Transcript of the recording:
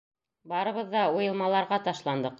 Барыбыҙ ҙа уйылмаларға ташландыҡ.